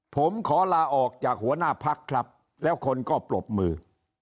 ผมขอลาออกจากหัวหน้าพักครับแล้วคนก็ปรบมือ